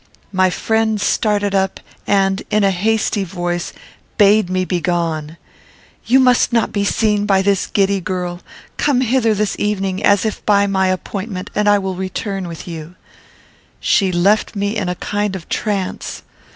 My friend started up, and, in a hasty voice, bade me begone. "You must not be seen by this giddy girl. Come hither this evening, as if by my appointment, and I will return with you." She left me in a kind of trance.